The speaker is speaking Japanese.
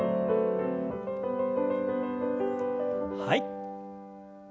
はい。